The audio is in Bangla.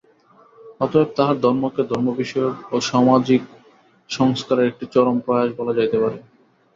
অতএব তাঁহার ধর্মকে ধর্মবিষয়ক ও সামাজিক সংস্কারের একটি চরম প্রয়াস বলা যাইতে পারে।